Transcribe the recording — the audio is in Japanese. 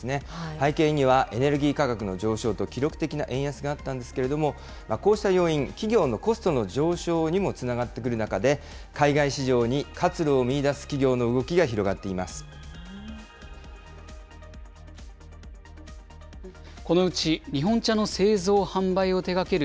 背景にはエネルギー価格の上昇と記録的な円安があったんですけれども、こうした要因、企業のコストの上昇にもつながってくる中で、海外市場に活路を見いだす企業のこのうち、日本茶の製造・販売を手がける